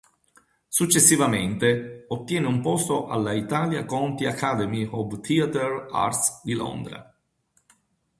Successivamente, ottiene un posto alla Italia Conti Academy of Theatre Arts di Londra.